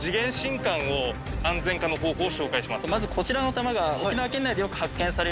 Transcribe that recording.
まずこちらの弾が。